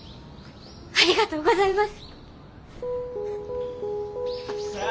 ありがとうございます！